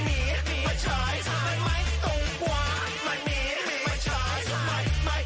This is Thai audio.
ไม่มีไม่ใช่ไม่ไม่ตรงกว่า